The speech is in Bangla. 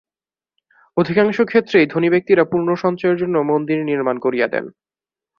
অধিকাংশ ক্ষেত্রেই ধনী ব্যক্তিরা পুণ্যসঞ্চয়ের জন্য মন্দির নির্মাণ করিয়া দেন।